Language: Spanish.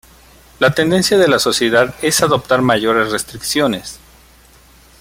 La tendencia de la sociedad es de adoptar mayores restricciones.